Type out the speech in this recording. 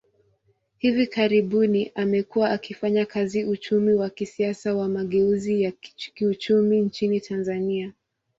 Hivi karibuni, amekuwa akifanya kazi uchumi wa kisiasa wa mageuzi ya kiuchumi nchini Tanzania.